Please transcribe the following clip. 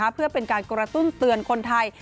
เพื่อเป็นการกระตุ้นเตือนคนไทย